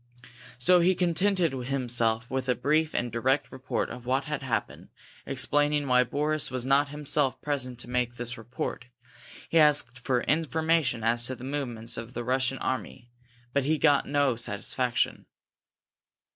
So he contented himself with a brief and direct report of what had happened, explaining why Boris was not himself present to make this report. He asked for information as to the movements of the Russian army, but got no satisfaction.